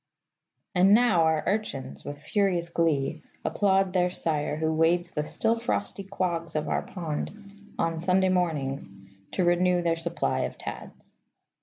And now our urchins, with furious glee, applaud their sire who wades the still frosty quags of our pond, on Sunday mornings, to renew their supply of tads.